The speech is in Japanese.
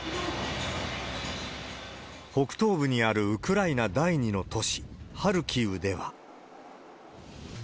北東部にあるウクライナ第２の都市、ハルキウでは。